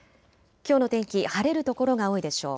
きょうの天気、晴れる所が多いでしょう。